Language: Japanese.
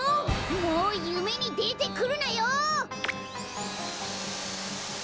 もうゆめにでてくるなよ！